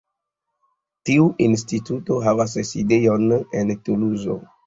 Tiu instituto havas sidejon en Tuluzo.